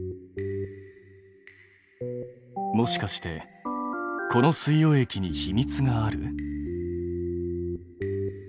もしかしてこの水溶液に秘密がある？